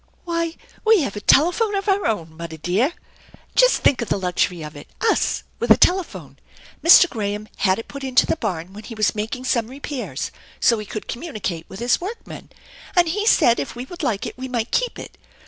"Why, we have a telephone of our own, muddy dear!| Just think of the luxury of it! Us with a telephone! Mr. Graham had it put into the barn when he was making some repairs, so he could communicate with his workmen ; and he said if we would like it we might keep it.